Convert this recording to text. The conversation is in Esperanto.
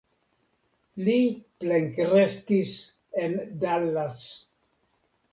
Li plenkreskis en Dallas.